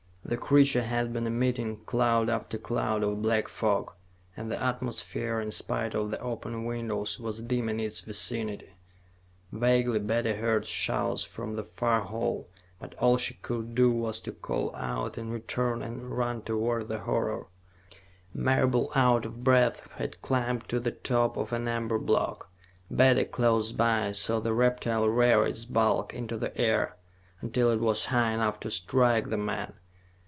The creature had been emitting cloud after cloud of black fog, and the atmosphere, in spite of the open windows, was dim in its vicinity. Vaguely Betty heard shouts from the far hall, but all she could do was to call out in return and run toward the horror. Marable, out of breath, had climbed to the top of an amber block. Betty, close by, saw the reptile rear its bulk up into the air, until it was high enough to strike the man.